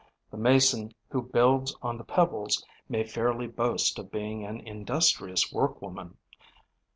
The Mason who builds on the pebbles may fairly boast of being an industrious workwoman.